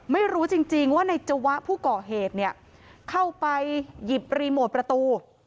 ไม่รู้จริงว่าในจวะผู้ก่อเหตุเนี่ยเข้าไปหยิบรีโมทประตู